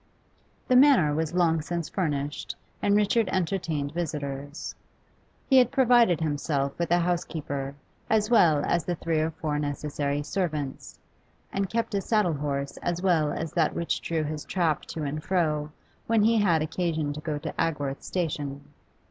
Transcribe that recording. The Manor was long since furnished, and Richard entertained visitors. He had provided himself with a housekeeper, as well as the three or four necessary servants, and kept a saddle horse as well as that which drew his trap to and fro when he had occasion to go to Agworth station.